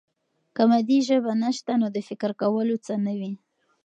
که مادي ژبه نسته، نو د فکر کولو څه نه وي.